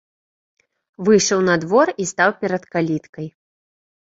Выйшаў на двор і стаў перад каліткай.